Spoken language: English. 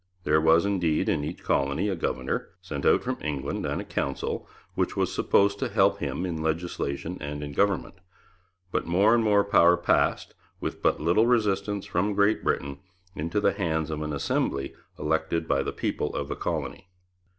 There was indeed in each colony a governor, sent out from England, and a Council, which was supposed to help him in legislation and in government; but more and more power passed, with but little resistance from Great Britain, into the hands of an Assembly elected by the people of the colony.